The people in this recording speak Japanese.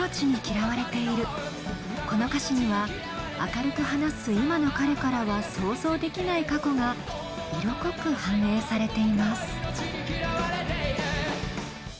この歌詞には明るく話す今の彼からは想像できない過去が色濃く反映されています。